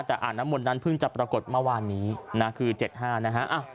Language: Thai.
แต่อ่างน้ำมนต์นั้นเพิ่งจะปรากฏเมื่อวานนี้นะคือ๗๕นะฮะ